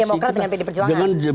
demokrat dengan pd perjuangan